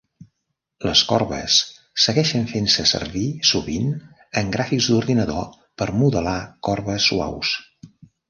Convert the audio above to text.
Les corbes segueixen fent-se servir sovint en gràfics d'ordinador per modelar corbes suaus.